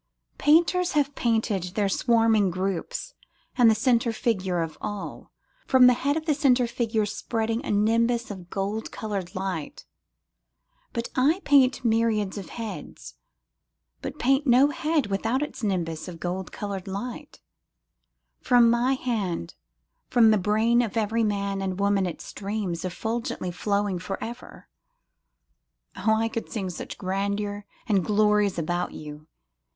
Painters have painted their swarming groups and the centre figure of all, From the head of the centre figure spreading a nimbus of gold colorŌĆÖd light, But I paint myriads of heads, but paint no head without its nimbus of gold colorŌĆÖd light, From my hand from the brain of every man and woman it streams, effulgently flowing forever. O I could sing such grandeurs and glories about you!